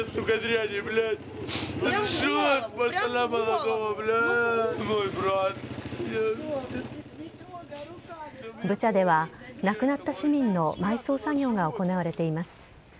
ブチャでは、亡くなった市民の埋葬作業が行われています。